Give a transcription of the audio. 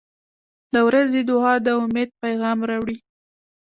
• د ورځې دعا د امید پیغام راوړي.